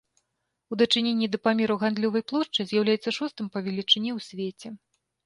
У дачыненні да памеру гандлёвай плошчы з'яўляецца шостым па велічыні ў свеце.